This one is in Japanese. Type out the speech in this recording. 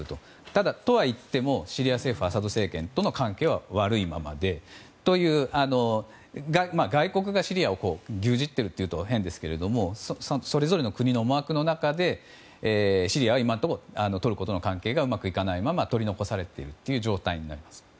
ただ、とはいってもシリア政府アサド政権との関係は悪いままでという外国がシリアを牛耳っているというと変ですがそれぞれの国の思惑の中でシリアは今のところトルコとの関係がうまくいかないまま取り残されているという状態になります。